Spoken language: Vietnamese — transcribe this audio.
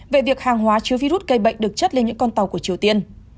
về việc hàng hóa chứa virus gây bệnh được chất lên những con tàu của triều tiên